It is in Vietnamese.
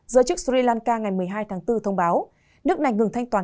giới chức sri lanka ngày một mươi hai tháng bốn thông báo nước này ngừng thanh toán